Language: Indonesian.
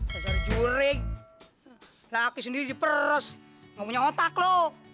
dasar jurig laki sendiri diperes nggak punya otak lu